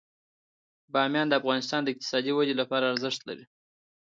بامیان د افغانستان د اقتصادي ودې لپاره ارزښت لري.